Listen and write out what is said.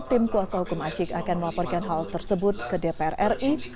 tim kuasa hukum asyik akan melaporkan hal tersebut ke dpr ri